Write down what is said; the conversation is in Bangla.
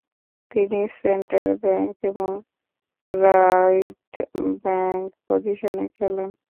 তিনি সেন্টার ব্যাক এবং রাইট ব্যাক পজিশনে খেলেন।